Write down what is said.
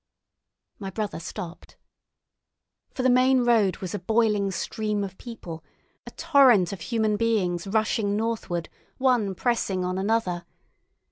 My brother stopped. For the main road was a boiling stream of people, a torrent of human beings rushing northward, one pressing on another.